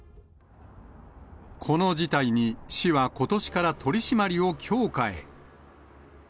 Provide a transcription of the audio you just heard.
この事態に市はことしから取締りを強化へ。